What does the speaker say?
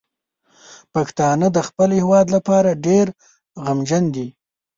پښتانه د خپل هیواد لپاره ډیر غمجن دي.